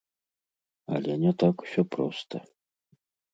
Але не так усё проста.